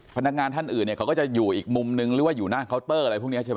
พนักงานท่านอื่นเนี่ยเขาก็จะอยู่อีกมุมนึงหรือว่าอยู่หน้าเคาน์เตอร์อะไรพวกนี้ใช่ไหม